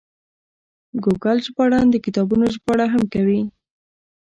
ګوګل ژباړن د کتابونو ژباړه هم کوي.